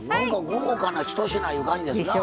豪華なひと品っていう感じですな。